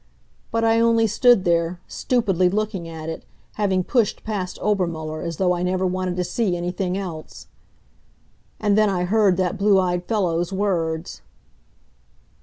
But I only stood there, stupidly looking at it, having pushed past Obermuller, as though I never wanted to see anything else. And then I heard that blue eyed fellow's words.